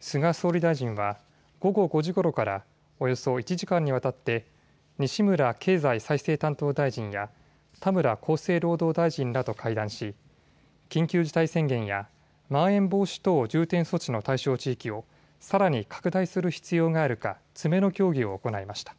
菅総理大臣は午後５時ごろからおよそ１時間にわたって西村経済再生担当大臣や田村厚生労働大臣らと会談し緊急事態宣言やまん延防止等重点措置の対象地域をさらに拡大する必要があるか詰めの協議を行いました。